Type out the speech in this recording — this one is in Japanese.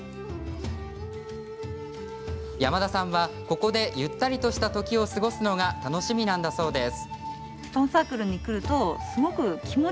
山田さんは、ここでゆったりとした時を過ごすのが楽しみなんだそうです。